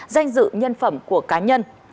giữ nhân phẩm của cá nhân